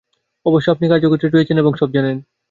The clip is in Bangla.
অবশ্য আপনি কার্যক্ষেত্রেই রয়েছেন এবং সব জানেন।